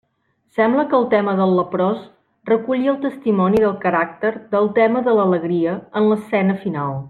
Sembla que el tema del leprós reculli el testimoni del caràcter del tema de l'alegria en l'escena final.